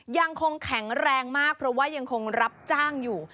ยังคงแข็งแรงมากเพราะว่ายังคงรับจ้างอยู่